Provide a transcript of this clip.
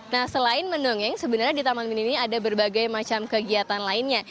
nah selain mendongeng sebenarnya di taman mini ini ada berbagai macam kegiatan lainnya